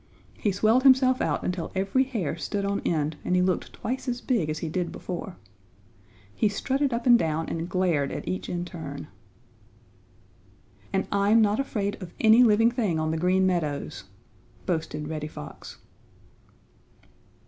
He swelled himself out until every hair stood on end and he looked twice as big as he did before. He strutted up and down and glared at each in turn. "And I'm not afraid of any living thing on the Green Meadows!" boasted Reddy Fox.